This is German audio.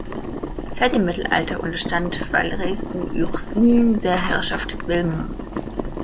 Seit dem Mittelalter unterstand Valeyres-sous-Ursins der Herrschaft Belmont.